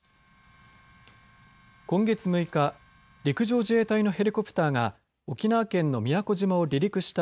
今月６日陸上自衛隊のヘリコプターが沖縄県の宮古島を離陸した